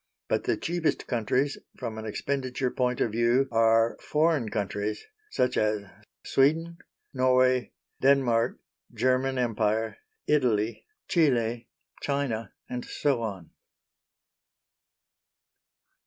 But the cheapest countries, from an expenditure point of view, are foreign countries such as Sweden, Norway, Denmark, German Empire, Italy, Chili, China, and so on.